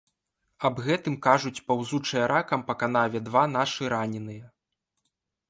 Аб гэтым кажуць паўзучыя ракам па канаве два нашы раненыя.